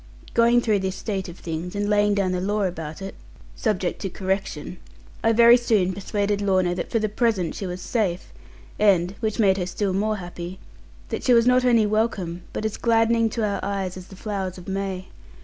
Going through this state of things, and laying down the law about it (subject to correction), I very soon persuaded Lorna that for the present she was safe, and (which made her still more happy) that she was not only welcome, but as gladdening to our eyes as the flowers of May.